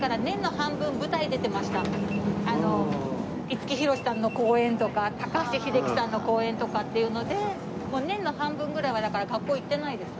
五木ひろしさんの公演とか高橋英樹さんの公演とかっていうのでもう年の半分ぐらいはだから学校行ってないです。